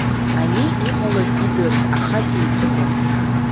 Ани иҟалаз идырт, аха ҿиҭӡом.